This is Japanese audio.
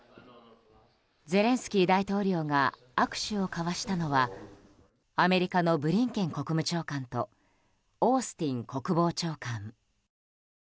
ゼレンスキー大統領が握手を交わしたのはアメリカのブリンケン国務長官とオースティン国防長官。